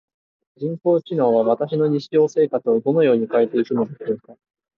人工知能は私の日常生活をどのように変えていくのでしょうか？